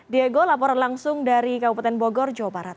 diego laporan langsung dari kabupaten bogor jawa barat